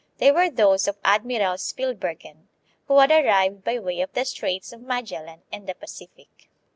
They were those of Admiral Spilbergen, who had arrived by way of the Straits of Magellan and the Pacific.